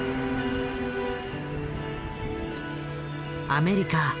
アメリカ